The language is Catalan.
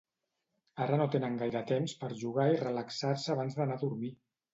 Ara no tenen gaire temps per jugar i relaxar-se abans d'anar a dormir.